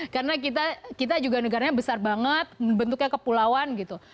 karena kita juga negaranya besar banget bentuknya kepulauan gitu